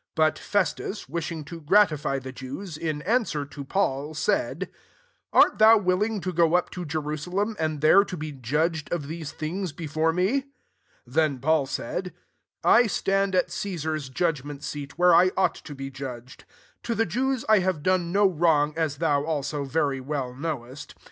*' 9 But Fcstus, wishing to gratify the Jews, in answer to Paul, said, << Art thou willing to go up to Jerusalem, and there to be judffed of these things before mel'' 10 Then Paul said, " I stand at Caesar's judgment seat, where I ought to be judged : to the Jews I have done no wrong, as thou also very well knowest.